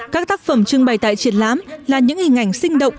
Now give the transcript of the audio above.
các tác phẩm trưng bày tại triển lãm là những hình ảnh sinh động